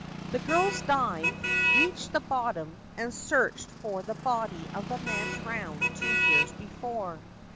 The girls dived, reached the bottom, and searched for the body of the man drowned two years before.